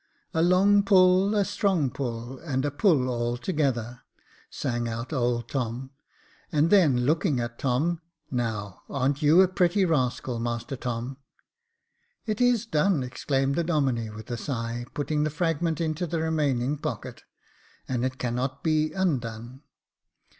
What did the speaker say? "* A long pull, a strong pull, and a pull all together,'" sang out old Tom : and then looking at Tom, " Now, aren't you a pretty rascal, master Tom ?" "It is done," exclaimed the Domine, with a sigh, putting the fragment into the remaining pocket ;" and it cannot be undone."